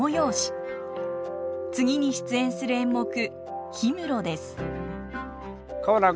次に出演する演目「氷室」です。